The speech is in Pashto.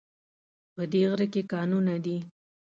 په دی غره کې کانونه دي